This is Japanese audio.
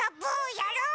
やる！